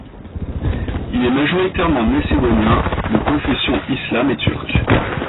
Il est majoritairement macédoniens de confession islam et turc.